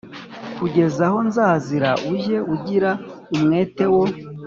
Kugeza aho nzazira ujye ugira umwete wo